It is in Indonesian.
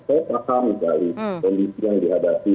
saya rasa misalnya kondisi yang dihadapi